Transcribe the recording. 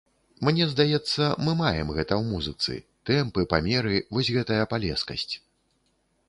Мне здаецца, мы маем гэта ў музыцы, тэмпы, памеры, вось гэтая палескасць.